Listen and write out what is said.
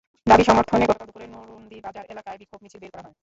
দাবির সমর্থনে গতকাল দুপুরে নরুন্দি বাজার এলাকায় বিক্ষোভ মিছিল বের করা হয়।